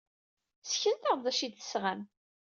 Sseknet-aɣ-d d acu ay d-tesɣam.